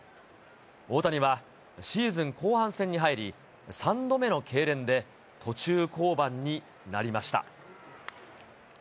大谷はシーズン後半戦に入り、３度目のけいれんで途中降板になりました。